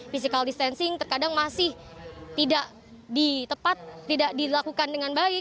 physical distancing terkadang masih tidak di tepat tidak dilakukan dengan baik